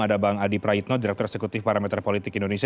ada bang adi praitno direktur eksekutif parameter politik indonesia